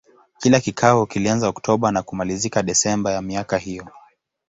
Kila kikao kilianza Oktoba na kumalizika Desemba ya miaka hiyo.